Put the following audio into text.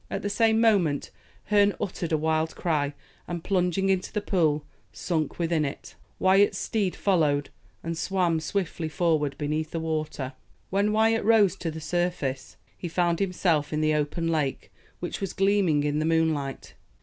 At the same moment Herne uttered a wild cry, and plunging into the pool, sunk within it. Wyat's steed followed, and swam swiftly forward beneath the water. When Wyat rose to the surface, he found himself in the open lake, which was gleaming in the moonlight.